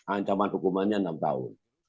ancaman hukumannya enam tahun